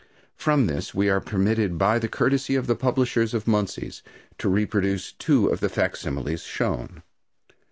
From this we are permitted by the courtesy of the publishers of Munsey's to reproduce two of the facsimiles shown.